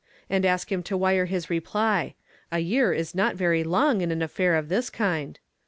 And ask him to wire his reply. A year is not very long in an affair of this kind."